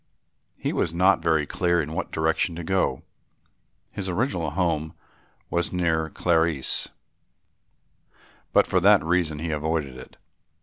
He was not very clear in what direction to go. His original home was near Carlisle, but for that reason he avoided it.